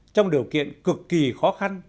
trong điều kiện cực kỳ khó khăn